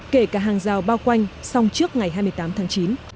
kể cả hàng rào bao quanh xong trước ngày hai mươi tám tháng chín